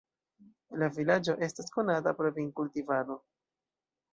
La vilaĝo estas konata pro vinkultivado.